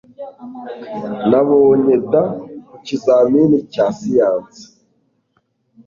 Nabonye D ku kizamini cya siyanse